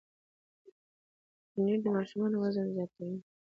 پنېر د ماشومانو وزن زیاتوي.